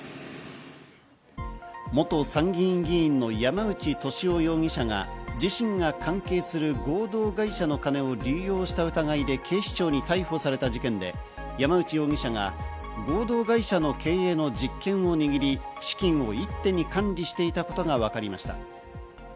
元参議院議員の山内俊夫容疑者が自身が関係する合同会社の金を流用した疑いで警視庁に逮捕された事件で、山内容疑者が合同会社の経営の実権を握り、資金を一手に管理していたことがわかりました。